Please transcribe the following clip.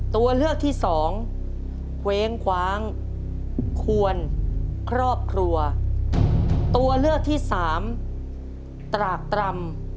ตัวเลือกที่สองเคว้งคว้างควรครอบครัวตัวเลือกที่สามตรากตรำ